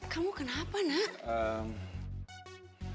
kamu kenapa nak